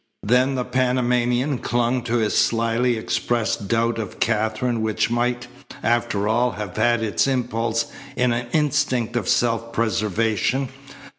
Then the Panamanian clung to his slyly expressed doubt of Katherine which might, after all, have had its impulse in an instinct of self preservation.